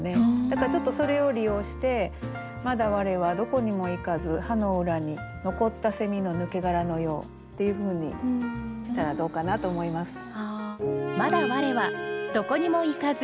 だからちょっとそれを利用して「まだ我はどこにも行かず葉の裏に残った蝉の抜け殻のよう」っていうふうにしたらどうかなと思います。